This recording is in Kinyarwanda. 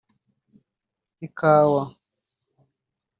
ikawa